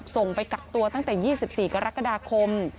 ส่งไปกักตัวตั้งแต่๒๔กรกฎาคม